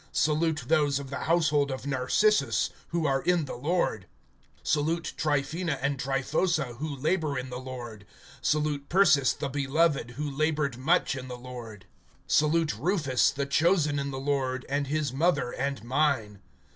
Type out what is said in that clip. Salute those of the household of Narcissus, who are in the Lord. (12)Salute Tryphaena and Tryphosa, who labor in the Lord. Salute Persis the beloved, who labored much in the Lord. (13)Salute Rufus, the chosen in the Lord, and his mother and mine.